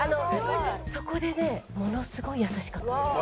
そこでねものすごい優しかったんですよ。